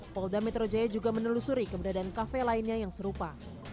polda metro jaya juga menelusuri keberadaan kafe lainnya yang serupa